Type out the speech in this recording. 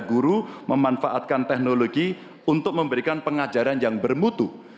memberikan bantuan kepada guru memanfaatkan teknologi untuk memberikan pengajaran yang bermutu